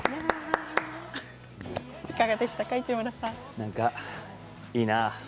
なんかいいな。